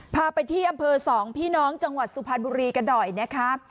พาไปที่อำเภอสองพี่น้องจังหวัดสุพรรณบุรีกันหน่อยนะคะ